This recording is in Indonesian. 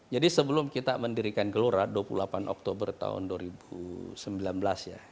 jadi sebelum kita mendirikan gelora dua puluh delapan oktober tahun dua ribu sembilan belas ya